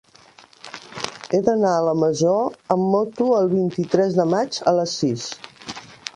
He d'anar a la Masó amb moto el vint-i-tres de maig a les sis.